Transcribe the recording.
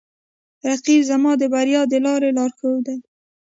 رقیب زما د بریا د لارې لارښود دی